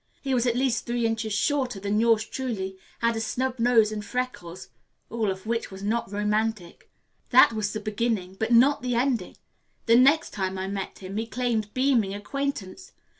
He was at least three inches shorter than yours truly, had a snub nose and freckles. All of which was not romantic. "That was the beginning; but not the ending. The next time I met him, he claimed beaming acquaintance.